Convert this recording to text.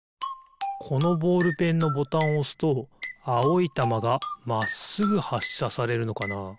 このボールペンのボタンをおすとあおいたまがまっすぐはっしゃされるのかな？